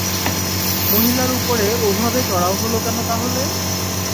মহিলার উপরে ওভাবে চড়াও হলে কেন তাহলে?